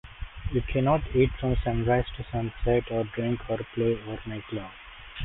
You cannot eat from sunrise to sunset or drink or play or make love.